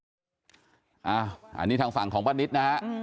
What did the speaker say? เอาอันนี้ทางฝั่งของว่านี้นะ